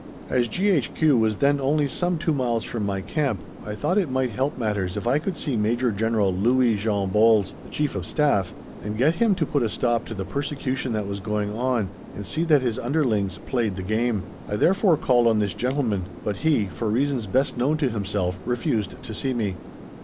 As G.H.Q. was then only some two miles from my Camp I thought it might help matters if I could see Major General Louis Jean Bols, the Chief of Staff, and get him to put a stop to the persecution that was going on, and see that his underlings "played the game." I therefore called on this gentleman, but he, for reasons best known to himself, refused to see me.